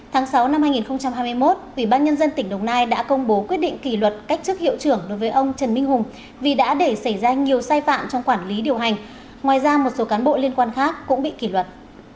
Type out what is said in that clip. tháng sáu năm hai nghìn hai mươi một ủy ban nhân dân tỉnh đồng nai đã công bố quyết định kỷ luật cách chức hiệu trưởng đối với ông trần minh hùng vì đã để xảy ra nhiều sai phạm trong quản lý điều hành ngoài ra một số cán bộ liên quan khác cũng bị kỷ luật